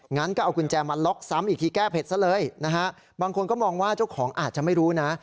งั้นก็เอากุญแจมาล็อกซ้ำอีกทีแก้เผ็ดซะเลยนะฮะบางคนก็มองว่าเจ้าของอาจจะไม่รู้นะ